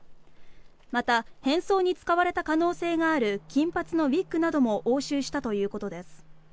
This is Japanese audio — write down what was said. また、変装に使われた可能性がある金髪のウィッグなども押収したということです。